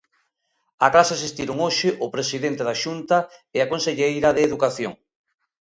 Á clase asistiron hoxe o presidente da Xunta e a conselleira de Educación.